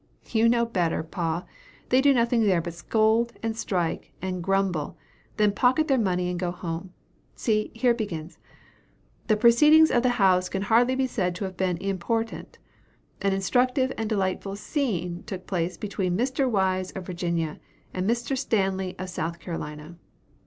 "You know better, pa. They do nothing there but scold, and strike, and grumble then pocket their money, and go home. See, here it begins, 'The proceedings of the House can hardly be said to have been important. An instructive and delightful scene took place between Mr. Wise of Virginia, and Mr. Stanly, of South Carolina.'